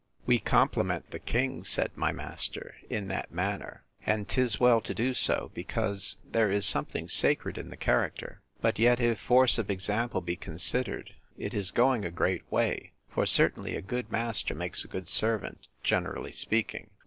We compliment the king, said my master, in that manner; and 'tis well to do so, because there is something sacred in the character. But yet, if force of example be considered, it is going a great way; for certainly a good master makes a good servant, generally speaking.